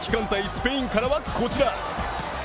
スペインからは、こちら。